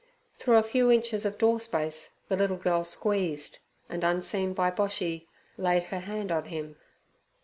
Through a few inches of door space the little girl squeezed, and, unseen by Boshy, laid her hand on him.